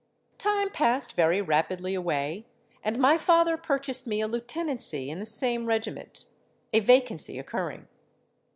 Time passed very rapidly away, and my father purchased me a lieutenancy in the same regiment, a vacancy occurring.